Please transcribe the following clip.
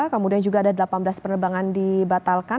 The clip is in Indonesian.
kemudian juga ada delapan belas penerbangan dibatalkan